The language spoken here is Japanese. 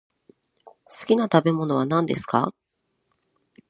好きな食べ物は何ですか。